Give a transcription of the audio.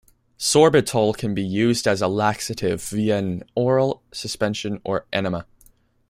Sorbitol can be used as a laxative via an oral suspension or enema.